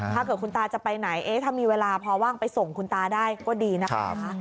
ถ้าเกิดคุณตาจะไปไหนถ้ามีเวลาพอว่างไปส่งคุณตาได้ก็ดีนะคะ